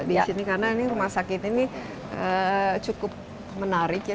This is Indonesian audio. di sini karena ini rumah sakit ini cukup menarik ya